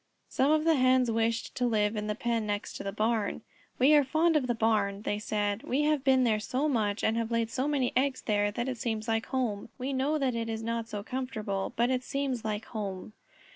Some of the Hens wished to live in the pen next to the barn. "We are fond of the barn," they said. "We have been there so much, and have laid so many eggs there that it seems like home. We know that it is not so comfortable, but it seems like home."